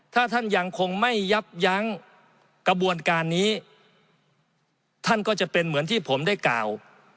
ถ้าท่านยังคงไม่ยับยั้งกระบวนการนี้ท่านก็จะเป็นเหมือนที่ผมได้กล่าว